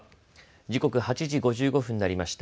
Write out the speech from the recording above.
時刻、８時５５分になりました。